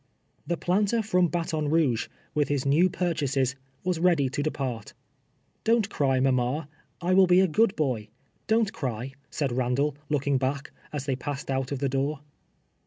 The planter from Baton Kouge, with his new pur chases, was ready to depart. " Don't cry, mama. I will be a good boy. Don't cry," said Ilandall, looking back, as they passed out of the door.